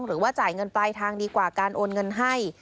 หรือว่าจ่ายเงินปลายทางดีกว่าการโอนเงินให้